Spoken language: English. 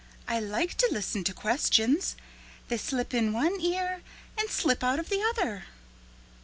I like to listen to questions. They slip in one ear and slip out of the other."